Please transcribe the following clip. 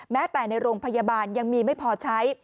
แม้แต่ในโรงพยาบาลยังมีไม่พอใช้